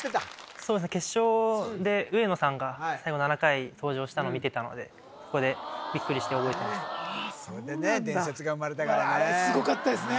そうですね決勝で上野さんが最後７回登場したのを見てたのでそこでビックリして覚えてましたすごかったですね